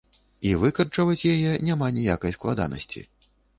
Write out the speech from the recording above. І выкарчаваць яе няма ніякай складанасці.